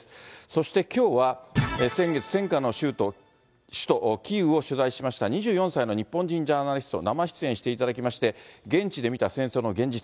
そしてきょうは先月、戦禍の首都キーウを取材しました、２４歳の日本人ジャーナリスト、生出演していただきまして、現地で見た戦争の現実。